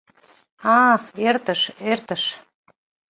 А-а, эртыш, эртыш!